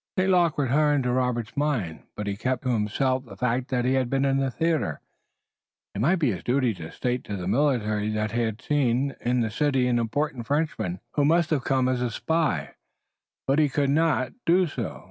St. Luc returned to Robert's mind, but he kept to himself the fact that he had been in the theater. It might be his duty to state to the military that he had seen in the city an important Frenchman who must have come as a spy, but he could not do so.